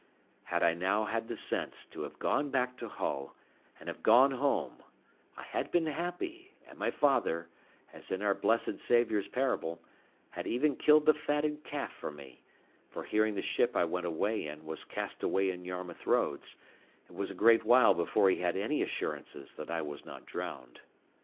Had I now had the sense to have gone back to Hull, and have gone home, I had been happy, and my father, as in our blessed Saviour's parable, had even killed the fatted calf for me; for hearing the ship I went away in was cast away in Yarmouth Roads, it was a great while before he had any assurances that I was not drowned.